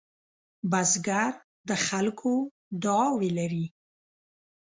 بزګر د خلکو دعاوې لري